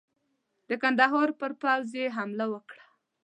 د کندهار پر پوځ یې حمله وکړه.